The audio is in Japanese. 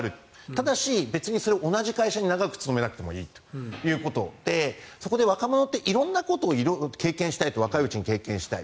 ただし、それは別に同じ会社に長く勤めなくてもいいということでそこで若者って色んなことを若いうちに経験したい。